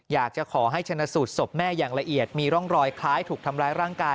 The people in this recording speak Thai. อยากจะขอให้ชนะสูตรศพแม่อย่างละเอียดมีร่องรอยคล้ายถูกทำร้ายร่างกาย